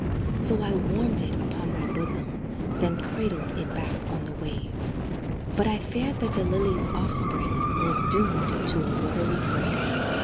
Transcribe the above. So I warmed it upon my bosom, Then cradled it back on the wave; But I feared that the lily's offspring Was doomed to a watery grave.